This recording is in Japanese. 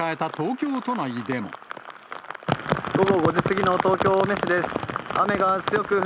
午後５時過ぎの東京・青梅市です。